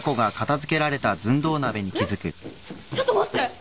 えっちょっと待って！